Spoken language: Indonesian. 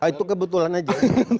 itu kebetulan aja